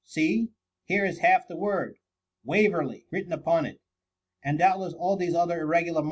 ^ See, here is half the word * Waverley,' written upon it, and doubtless all these other irregular